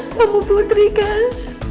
kamu putri kan